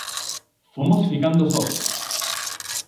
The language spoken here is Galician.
Fomos ficando sós.